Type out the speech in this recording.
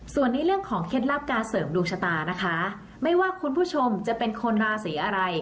ส่วนในเรื่องของเคล็ดลับการเสริมดวงชะตานะคะไม่ว่าคุณผู้ชมจะเป็นคนราศีอะไร